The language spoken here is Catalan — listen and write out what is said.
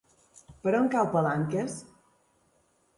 Per on cau Palanques?